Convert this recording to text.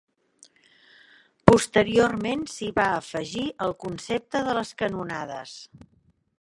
Posteriorment s'hi va afegir el concepte de les canonades.